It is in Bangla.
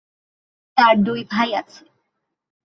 তাঁর দুই ভাই আছে।